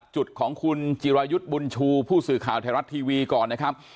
จุดของคุณจิรายุทธ์บุญชูผู้สื่อข่าวไทยรัฐทีวีก่อนนะครับ